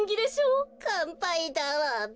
かんぱいだわべ。